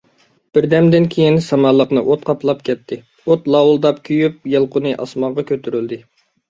بىردەمدىن كېيىن سامانلىقنى ئوت قاپلاپ كەتتى، ئوت لاۋۇلداپ كۆيۈپ، يالقۇنى ئاسمانغا كۆتۈرۈلدى.